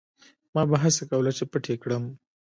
ما به هڅه کوله چې پټ یې کړم.